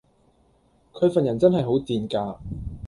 佢份人真係好賤格